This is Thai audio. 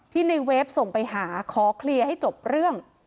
ในเวฟส่งไปหาขอเคลียร์ให้จบเรื่อง